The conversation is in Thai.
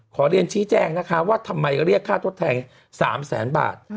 ขอเรียนชี้แจงนะคะว่าทำไมเรียกค่าทดแทน๓แสนบาท